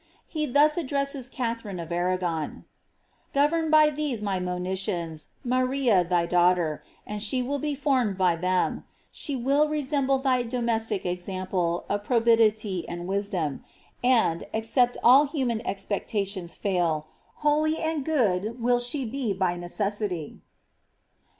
He thus ad dresses Katharine of Arragon ;—'^ Govern by these my monitions Maria diy daughter, and she will be formed by them ; she will resemble thy domestic example of probity and wisdom, and, except all human expec tations fail, holy and good will she be by necessity.'"